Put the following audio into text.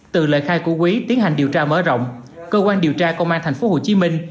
từ lời khai của quý tiến hành điều tra mở rộng cơ quan điều tra công an thành phố hồ chí minh